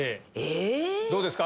どうですか？